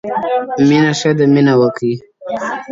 زموږ په لمبه به پردۍ شپې روڼېږي-